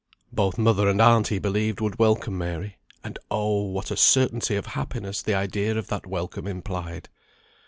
Both mother and aunt he believed would welcome Mary. And oh! what a certainty of happiness the idea of that welcome implied.